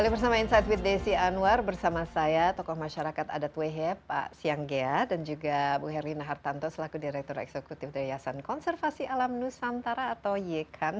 bersama saya tokoh masyarakat adat wehe pak siang ghea dan juga mbak herlina hartanto selaku direktur eksekutif daya yasan konservasi alam nusantara atau ykan